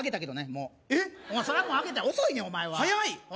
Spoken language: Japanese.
もうそれはもうあげた遅いねんお前早い！